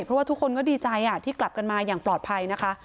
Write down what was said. เพราะว่าทุกคนก็ดีใจที่กลับกันมาอย่างปลอดภัยนะคะ